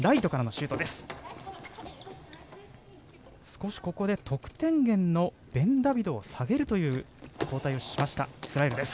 少しここで得点源のベンダビドを下げるという交代をしましたイスラエルです。